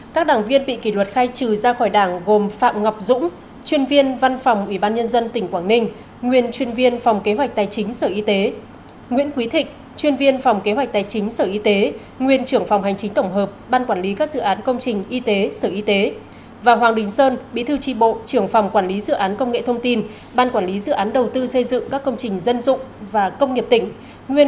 các đảng viên bị kỷ luật khai trừ ra khỏi đảng gồm phạm ngọc dũng chuyên viên văn phòng ủy ban nhân dân tỉnh quảng ninh nguyễn chuyên viên phòng kế hoạch tài chính sở y tế nguyễn quý thịch chuyên viên phòng kế hoạch tài chính sở y tế nguyên trưởng phòng hành chính tổng hợp ban quản lý các dự án công trình y tế sở y tế và hoàng đình sơn bị thư tri bộ trưởng phòng quản lý dự án công nghệ thông tin ban quản lý dự án đầu tư xây dựng các công trình dân dụng và công nghiệp tỉnh nguy